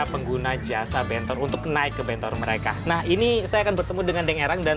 pengguna jasa bentor untuk naik ke bentor mereka nah ini saya akan bertemu dengan deng erang dan